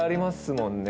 もんね